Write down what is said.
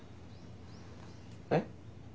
えっ？